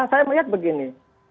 saya melihat begini